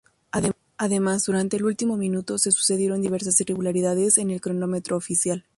Además, durante el último minuto se sucedieron diversas irregularidades en el cronómetro oficial.